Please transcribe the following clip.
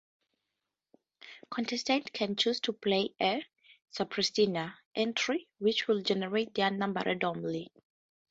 Contestants can choose to play a "Surpresinha" entry, which will generate their numbers randomly.